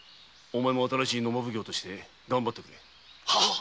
お前も新しい野馬奉行として頑張ってくれ。